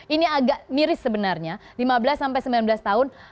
ini agak miris sebenarnya lima belas sampai sembilan belas tahun